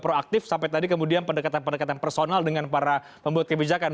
proaktif sampai tadi kemudian pendekatan pendekatan personal dengan para pembuat kebijakan